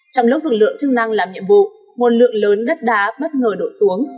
trong lúc lực lượng chức năng làm nhiệm vụ một lượng lớn đất đá bất ngờ đổ xuống